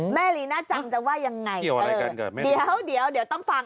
ลีน่าจังจะว่ายังไงเดี๋ยวเดี๋ยวต้องฟัง